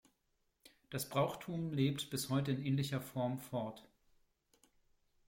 Das Brauchtum lebt bis heute in ähnlicher Form fort.